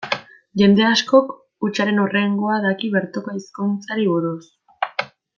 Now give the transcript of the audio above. Jende askok hutsaren hurrengoa daki bertoko hizkuntzari buruz.